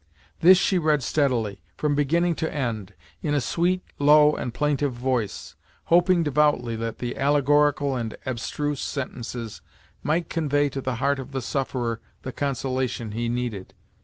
This she read steadily, from beginning to end, in a sweet, low and plaintive voice; hoping devoutly that the allegorical and abstruse sentences might convey to the heart of the sufferer the consolation he needed.